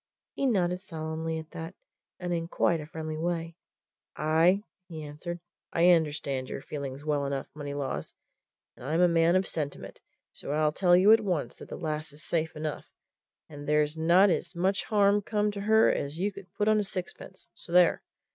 He nodded solemnly at that and in quite a friendly way. "Aye!" he answered. "I understand your feelings well enough, Moneylaws and I'm a man of sentiment, so I'll tell you at once that the lass is safe enough, and there's not as much harm come to her as you could put on a sixpence so there!